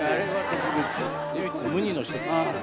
唯一無二の人ですから。